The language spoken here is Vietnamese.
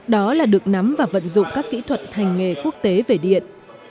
đó là được nắm và vận dụng các kỹ thuật hành nghề quốc tế về điện